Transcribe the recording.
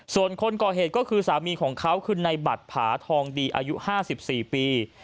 ส่วนคนก่อเหตุก็คือสามีของเขาคือในบัตรผาทองดีอายุ๕๔ปี